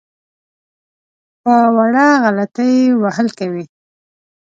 په وړه غلطۍ وهل کوي.